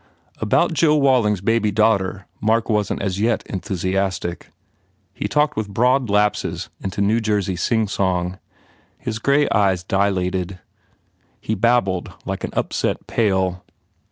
About Joe Waiting s baby daughter Mark wasn t as yet enthusiastic. He talked with broad lapses into New Jersey singsong. His grey eyes di lated. He babbled like an upset pail.